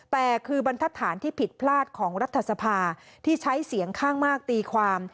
แต่บัณฑฐานที่ผิดพลาดของรัฐธรรมนุนที่ใช้เสียงข้างมากตีความ